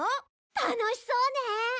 楽しそうね。